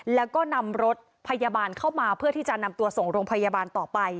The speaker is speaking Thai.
แล้วก็นำรถพยาบาลเข้ามาเพื่อที่จะนำตัวส่งโรงพยาบาลต่อไป